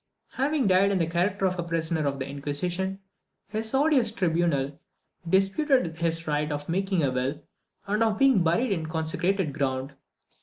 Having died in the character of a prisoner of the Inquisition, this odious tribunal disputed his right of making a will, and of being buried in consecrated ground.